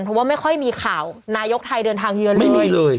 เพราะว่าไม่ค่อยมีข่าวนายกไทยเดินทางเยอะเลย